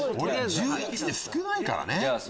１１で少ないからね。